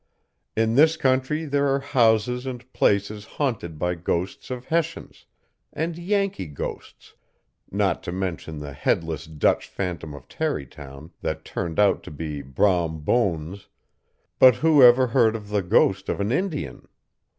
In this country there are houses and places haunted by ghosts of Hessians, and Yankee ghosts, not to mention the headless Dutch phantom of Tarrytown, that turned out to be Brom Bones; but who ever heard of the ghost of an Indian?